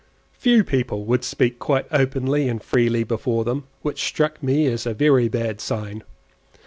Few people would speak quite openly and freely before them, which struck me as a very bad sign.